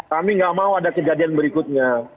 kami nggak mau ada kejadian berikutnya